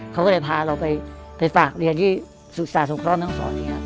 เขาก็เลยพาเราไปฝากเรียนที่ศุษย์สะสมครอบแม่ห้องศร